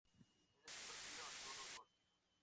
En ese partido anotó dos goles.